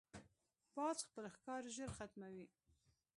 باز خپل ښکار ژر ختموي